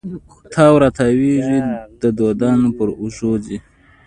تاو را تاویږې د دودانو پر اوږو ځي